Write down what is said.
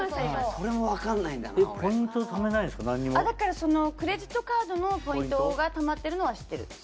だからそのクレジットカードのポイントがたまってるのは知ってる。